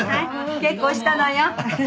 結構したのよ。